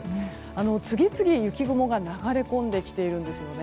次々と雪雲が流れ込んできているんですよね。